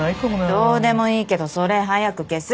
どうでもいいけどそれ早く消す！